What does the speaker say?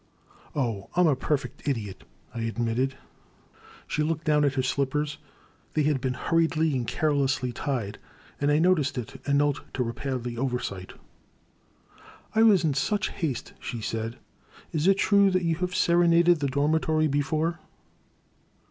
Oh, I 'm a perfect idiot," I admitted. She looked down at her slippers — they had been hurriedly and carelessly tied — and I noticed it and knelt to repair the oversight. I was in such haste," she said. Is it trae that you have serenaded the dormitory before